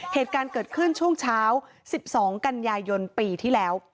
เหตุการณ์เกิดขึ้นช่วงเช้า๑๒กันยายนปีที่แล้ว